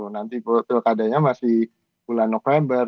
nanti betul betul keadaannya masih bulan november